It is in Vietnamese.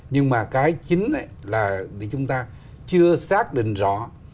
nhưng mà cái chính ấy là để chúng ta chưa xác định rõ